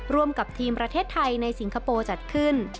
ร่วมกับทีมประเทศไทยในสิงคโปร์จัดขึ้น